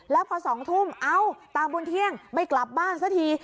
แล้วพอ๒ทุ่มเอ้าตาบุญเที่ยงไม่กลับบ้านซะที